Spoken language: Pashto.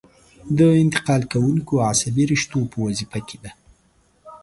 د انتقال کوونکو عصبي رشتو په وظیفه کې ده.